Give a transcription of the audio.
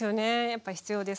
やっぱ必要です。